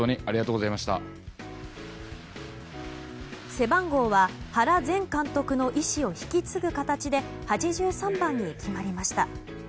背番号は原前監督の意思を引き継ぐ形で８３番に決まりました。